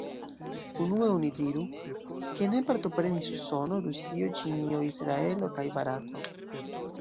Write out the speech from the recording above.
Unue oni diru, ke ne partoprenis Usono, Rusio, Ĉinio, Israelo kaj Barato.